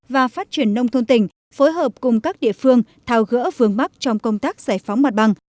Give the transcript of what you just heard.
và phát triển nông thôn tỉnh phối hợp cùng các địa phương thao gỡ vương mắc trong công tác giải phóng mặt bằng